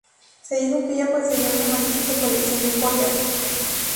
Se dijo que ella poseía una magnífica colección de joyas.